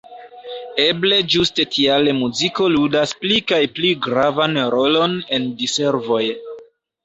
Eble ĝuste tial muziko ludas pli kaj pli gravan rolon en diservoj.